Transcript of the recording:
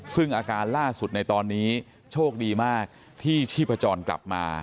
ซึ่งอาการล่าสุดในตอนนี้โชคดีมากที่ชีพจรกลับมา